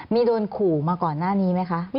มีโดนขู่มาก่อนหน้านี้ไหมคะ